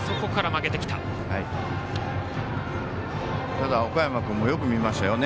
ただ、岡山君もよく見ましたよね。